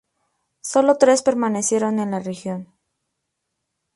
Solo tres permanecieron en la región.